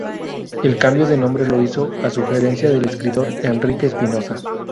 El cambio de nombre lo hizo a sugerencia del escritor Enrique Espinosa.